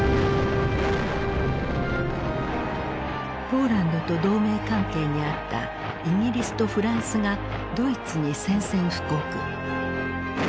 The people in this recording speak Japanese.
ポーランドと同盟関係にあったイギリスとフランスがドイツに宣戦布告。